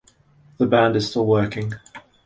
The band is still working.